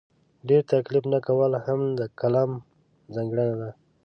ډېر تکلف نه کول هم د کالم ځانګړنه ده.